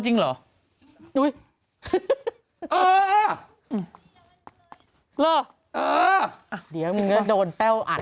หิ๋งิยาย